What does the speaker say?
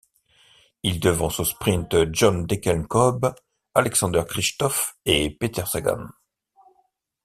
Il devance au sprint John Degenkolb, Alexander Kristoff et Peter Sagan.